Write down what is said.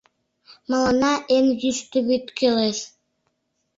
— Мыланна эн йӱштӧ вӱд кӱлеш...